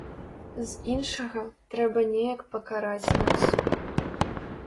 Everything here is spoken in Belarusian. З іншага, трэба неяк пакараць нас.